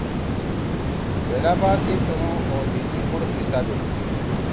تیلا بعد ای تنُو اودی سی بُوڑ قِصہ بینی۔